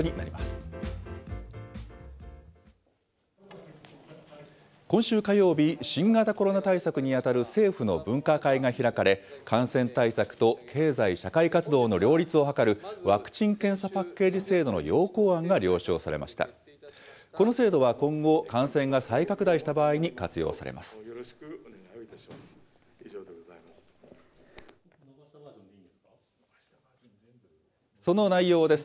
この制度は今後、感染が再拡大した場合に活用されます。